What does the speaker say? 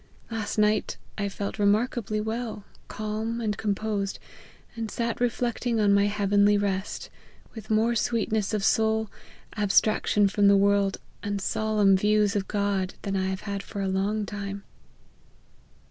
Last night I felt remarkably well, calm, and composed, and sat reflecting on my heavenly rest, with more sweetness of soul, abstraction from the world, and solemn views of God, than I have had for a long time.